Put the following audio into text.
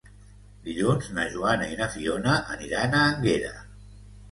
Dilluns na Joana i na Fiona aniran a Énguera.